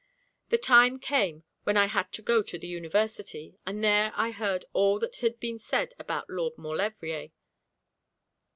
The time came when I had to go to the University, and there I heard all that had been said about Lord Maulevrier.